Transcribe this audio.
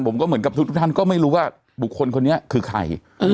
ผมก็เหมือนกับทุกท่านก็ไม่รู้ว่าบุคคลคนนี้คือใคร